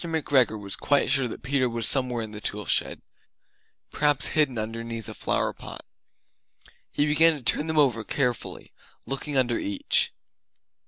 McGregor was quite sure that Peter was somewhere in the tool shed, perhaps hidden underneath a flower pot. He began to turn them over carefully, looking under each.